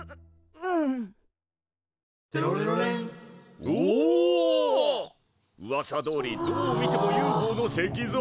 「テロレロレン」おお！うわさどおりどう見てもＵＦＯの石像。